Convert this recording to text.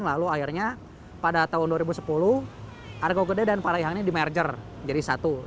lalu akhirnya pada tahun dua ribu sepuluh argo gede dan parayang ini dimerger jadi satu